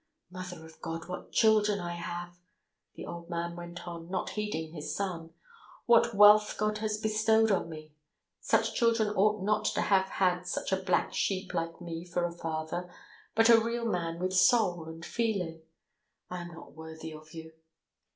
"Mother of God, what children I have," the old man went on, not heeding his son. "What wealth God has bestowed on me. Such children ought not to have had a black sheep like me for a father, but a real man with soul and feeling! I am not worthy of you!"